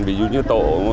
ví dụ như tổ